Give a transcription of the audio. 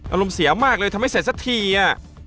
อารมณ์เสียมากเลยทำไม่เสร็จสักทีอ่ะ